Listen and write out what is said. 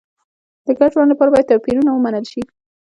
د ګډ ژوند لپاره باید توپیرونه ومنل شي.